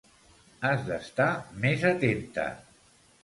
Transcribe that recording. Has d'estar més atenta.